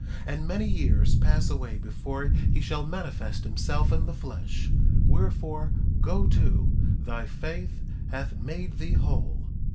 And many years pass away before he shall manifest himself in the flesh; wherefore, go to, thy faith hath made thee whole.